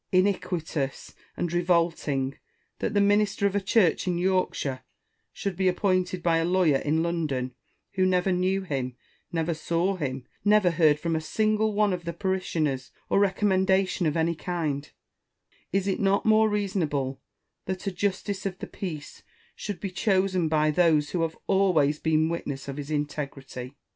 255 iniquitous, and revolting, that the minister of a church in Yorkshire should be appointed by a lawyer in London, who never knew him, never saw him, never heard from a single one of the parishioners a recommendation of any kind % Is it not more reasonable that a justice of the peace should be chosen by those who have always been witnesses of his integrity 1 Roiisseau.